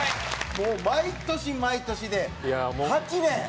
もう毎年毎年で８年。